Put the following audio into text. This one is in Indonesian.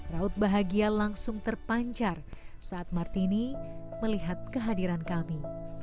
raut bahagia langsung terpancar saat martini melihat kehadiran kami